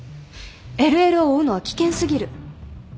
ＬＬを追うのは危険すぎる。